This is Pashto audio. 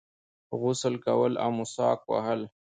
غسل کول او مسواک وهل